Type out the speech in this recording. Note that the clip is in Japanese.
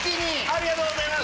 ありがとうございます！